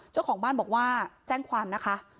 เจ้าของบ้านบอกว่าแจ้งความนะคะ